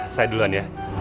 saya duluan ya